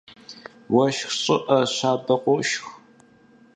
Уэшх щӀыӀэ щабэ къошх.